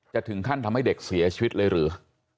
จะถึงขั้นทำให้เด็กเสียชีวิตเลยหรือ